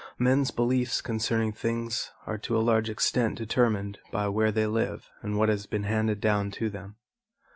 Men's beliefs concerning things are to a large extent determined by where they live and what has been handed down to them.